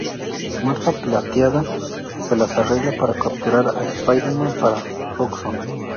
Marta Plateada se las arregla para capturar a Spider-Man para Roxxon.